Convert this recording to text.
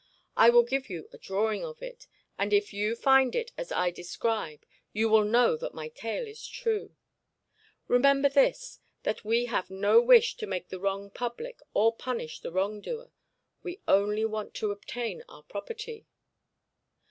I will give you a drawing of it, and if you find it as I describe, you will know that my tale is true. Remember this that we have no wish to make the wrong public or punish the wrong doer. We only want to obtain our property.'